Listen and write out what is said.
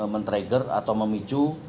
mentrager atau memicu